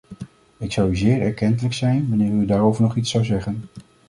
Ik zou u zeer erkentelijk zijn wanneer u daarover nog iets zou zeggen.